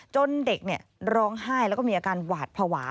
เด็กร้องไห้แล้วก็มีอาการหวาดภาวะ